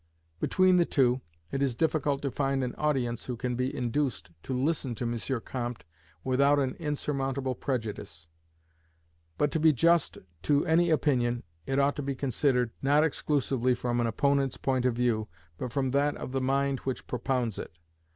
Between the two, it is difficult to find an audience who can be induced to listen to M. Comte without an insurmountable prejudice. But, to be just to any opinion, it ought to be considered, not exclusively from an opponent's point of view, but from that of the mind which propounds it.